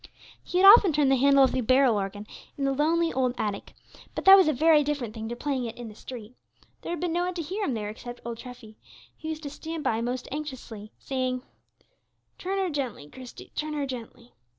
He had often turned the handle of the barrel organ in the lonely old attic, but that was a very different thing to playing it in the street. There had been no one to hear him there except old Treffy, who used to stand by most anxiously, saying, "Turn her gently, Christie; turn her gently."